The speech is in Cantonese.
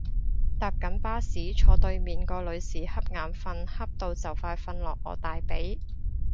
搭緊巴士，坐對面個女士恰眼瞓恰到就快瞓落我大髀